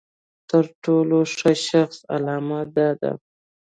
د تر ټولو ښه شخص علامه دا ده.